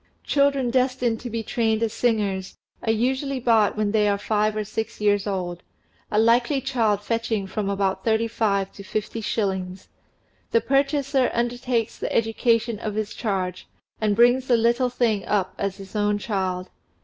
Children destined to be trained as singers are usually bought when they are five or six years old, a likely child fetching from about thirty five to fifty shillings; the purchaser undertakes the education of his charge, and brings the little thing up as his own child.